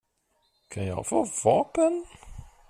Kan jag få vapen?